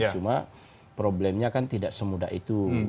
cuma problemnya kan tidak semudah itu